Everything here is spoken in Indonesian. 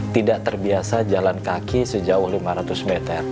tidak terbiasa jalan kaki sejauh lima ratus meter